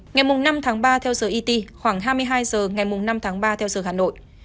ngày năm tháng ba theo giờ et khoảng hai mươi hai h ngày năm tháng ba theo giờ hà nội